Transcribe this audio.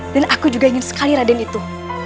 dan aku juga ingin sekali raden itu